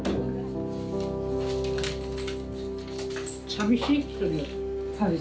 寂しい？